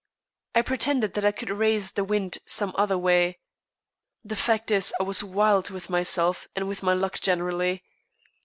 I pretended that I could raise the wind some other way. The fact is I was wild with myself and with my luck generally.